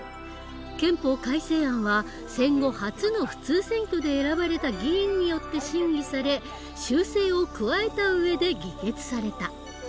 憲法改正案は戦後初の普通選挙で選ばれた議員によって審議され修正を加えた上で議決された。